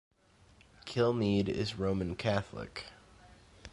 Kilmeade is Roman Catholic.